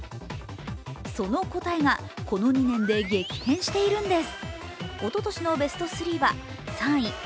その答えがこの２年で激変しているんです。